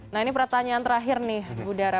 nah ini pertanyaan terakhir nih budara